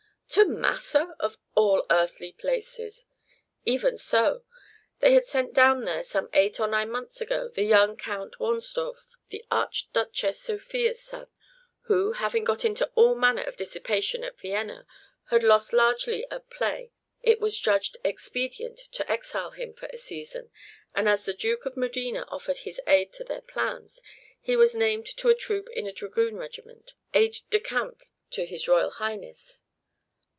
"To Massa! of all earthly places." "Even so. They had sent down there, some eight or nine months ago, the young Count Wahnsdorf, the Archduchess Sophia's son, who, having got into all manner of dissipation at Vienna, and lost largely at play, it was judged expedient to exile him for a season; and as the Duke of Modena offered his aid to their plans, he was named to a troop in a dragoon regiment, and appointed aide de camp to his Royal Highness.